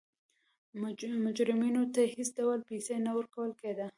مجرمینو ته هېڅ ډول پیسې نه ورکول کېده.